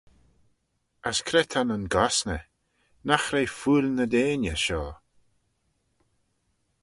As cre ta nyn gosney? Nagh re fuill ny deiney shoh?